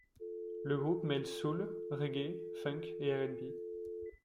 Le groupe mêle soul, reggae, funk et RnB.